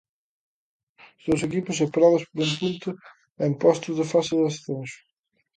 Os dous equipos separados por un punto e en postos de fase de descenso.